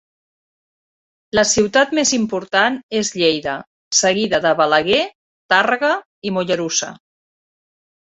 La ciutat més important és Lleida, seguida de Balaguer, Tàrrega i Mollerussa.